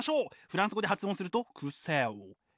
フランス語で発音すると「クセジュ」。